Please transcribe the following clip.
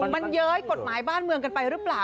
มันเย้ยกฎหมายบ้านเมืองกันไปหรือเปล่า